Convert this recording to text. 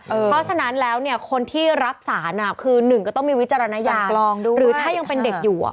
เพราะฉะนั้นแล้วคนที่รับสารคือ๑ก็ต้องมีวิจารณญาหรือถ้ายังเป็นเด็กอยู่